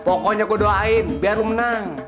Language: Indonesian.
pokoknya kuduain biar lu menang